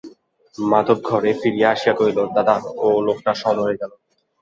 মাধব ঘরে ফিরিয়া আসিয়া কহিল, দাদা, ও লোকটা সদরে গেল।